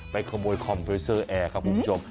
ขโมยคอมพิวเซอร์แอร์ครับคุณผู้ชม